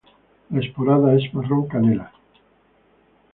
La esporada es marrón canela.